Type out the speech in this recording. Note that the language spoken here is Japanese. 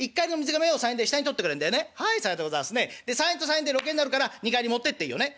「３円と３円で６円になるから二荷入り持ってっていいよね」。